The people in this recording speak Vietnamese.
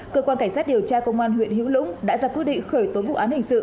cơ quan cảnh sát điều tra công an huyện hữu lũng đã ra quyết định khởi tố vụ án hình sự